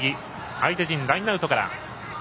相手陣ラインアウトから。